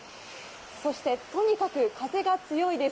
そしてとにかく風が強いです。